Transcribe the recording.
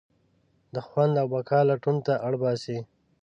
د خوند او بقا لټون ته اړباسي.